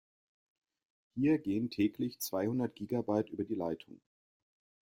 Hier gehen täglich zweihundert Gigabyte über die Leitung.